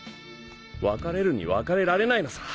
別れるに別れられないのさ！